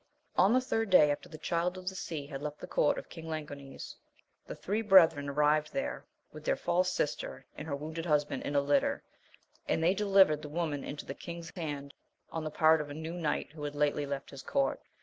N the third day after the Child of the Sea had left the court of King Languines, the three brethren arrived there with their false sister andherwovinded husband in aAillet, axA\Xi«^ ^^n^^^ 44 AMADIS OF GAUL. the woman into the king's hand, on the part of a new knight who had lately left his court.